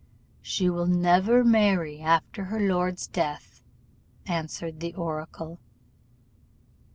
"'She will never marry after her lord's death,' answered the oracle.